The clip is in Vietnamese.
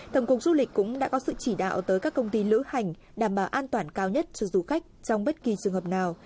tổng cục du lịch cũng đã có sự chỉ đạo tới các công ty lữ hành đảm bảo an toàn cao nhất cho du khách trong bất kỳ trường hợp nào